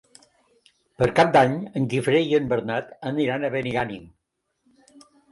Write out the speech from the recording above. Per Cap d'Any en Guifré i en Bernat aniran a Benigànim.